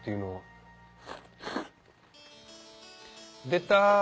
出た。